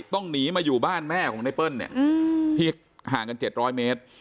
ต้องหนีมาอยู่บ้านแม่ของไนเปิ้ลที่ห่างกัน๗๐๐เมตร